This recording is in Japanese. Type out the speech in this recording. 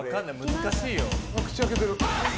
難しいよ。